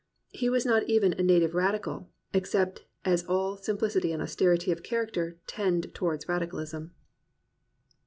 He was not even a native radical, except as all simplicity and austerity of character tend towards radicalism.